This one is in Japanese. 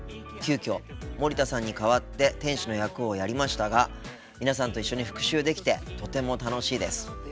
急きょ森田さんに代わって店主の役をやりましたが皆さんと一緒に復習できてとても楽しいです。